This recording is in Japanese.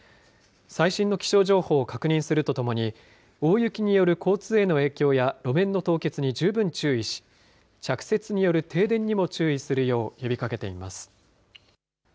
最新の気象情報を確認するとともに、大雪による交通への影響や路面の凍結に十分注意し、着雪による停電にも注意するよう呼びかけ